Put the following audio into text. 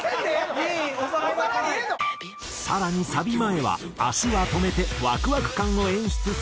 更にサビ前は足は止めてワクワク感を演出する振りや。